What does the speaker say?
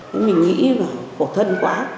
thế mình nghĩ là khổ thân quá